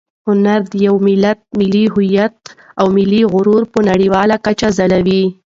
هنر د یو ملت هویت او ملي غرور په نړیواله کچه ځلوي.